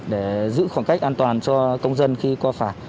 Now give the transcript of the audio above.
để giữ khoảng cách an toàn cho công dân khi qua phả